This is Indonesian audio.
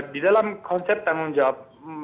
di dalam konsep tanggung jawab